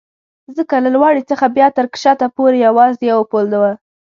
ځکه له لوړې څخه بیا تر کښته پورې یوازې یو پل و.